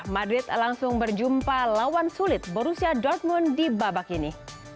madrid langsung berjumpa lawan sulit borussia dortmund di babak ini